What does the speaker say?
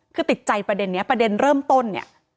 คือติดใจประเด็นนี้ประเด็นเริ่มต้นเนี่ย